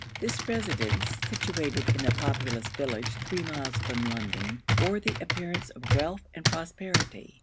This residence, situated in a populous village three miles from London, bore the appearance of wealth and prosperity.